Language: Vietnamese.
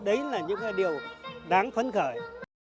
đấy là những cái điều đáng phấn khởi